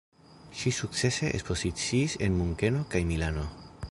Ŝi sukcese ekspoziciis en Munkeno kaj Milano.